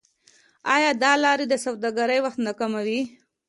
آیا دا لارې د سوداګرۍ وخت نه کموي؟